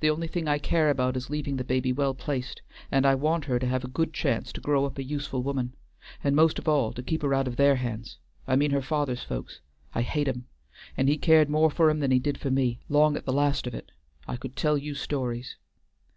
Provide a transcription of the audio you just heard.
"The only thing I care about is leaving the baby well placed, and I want her to have a good chance to grow up a useful woman. And most of all to keep her out of their hands, I mean her father's folks. I hate 'em, and he cared more for 'em than he did for me, long at the last of it.... I could tell you stories!"